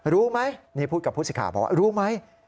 รู้ไหมนี่พูดกับผู้สิทธิ์ข่าวบอกว่ารู้ไหม